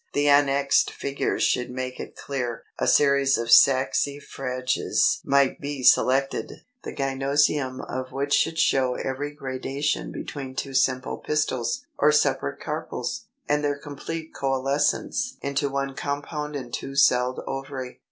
The annexed figures should make it clear. A series of Saxifrages might be selected the gynœcium of which would show every gradation between two simple pistils, or separate carpels, and their complete coalescence into one compound and two celled ovary.